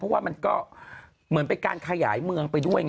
เพราะว่ามันก็มีการขยายของเมืองไปด้วย